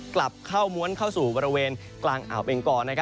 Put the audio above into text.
กลับเข้าม้วนเข้าสู่บริเวณกลางอ่าวเบงกอ